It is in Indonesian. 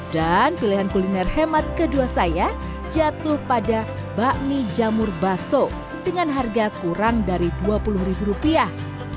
dan pilihan kuliner hemat kedua saya jatuh pada bakmi jamur baso dengan harga kurang dari dua puluh rupiah